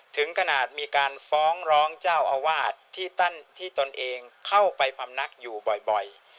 ถึงกระหนาดมีการฟ้องร้องเจ้าอวาดที่ตั้นที่ตนเองเข้าไปพรรมนักอยู่บ่อย